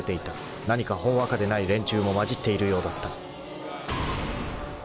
［何かほんわかでない連中も交じっているようだった］